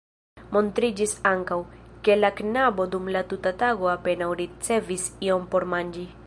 Montriĝis ankaŭ, ke la knabo dum la tuta tago apenaŭ ricevis ion por manĝi.